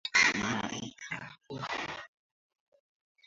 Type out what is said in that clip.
Mpushi anaonaka busiku sa mchana